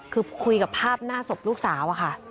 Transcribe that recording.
คือคุยกับภาพหน้าศพลูกสาวอะค่ะ